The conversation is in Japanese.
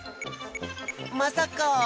まさか。